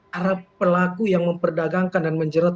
para pelaku yang memperdagangkan dan menjerat